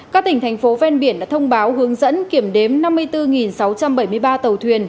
các tỉnh thành phố ven biển đã thông báo hướng dẫn kiểm đếm năm mươi bốn sáu trăm bảy mươi ba tàu thuyền